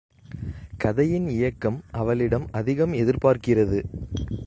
கதையின் இயக்கம் அவளிடம் அதிகம் எதிர்பார்க்கிறது.